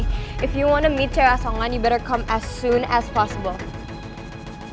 kalo lo mau ketemu cea rasongan lo sebaiknya datang secepat mungkin